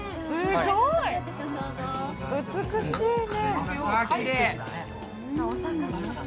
すごい、美しいね。